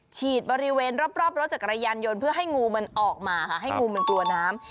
ฉีดบริเวณรอบรถจักรยานยนต์เพื่อให้งูมันออกมาค่ะให้งูมันกลัวน้ำ